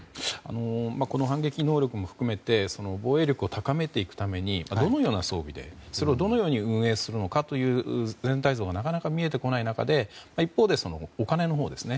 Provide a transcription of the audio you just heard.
この反撃能力も含めて防衛力を高めていくためにどのような装備で、それをどのように運営するのかという全体像がなかなか見えてこない中で一方で、お金のほうですね。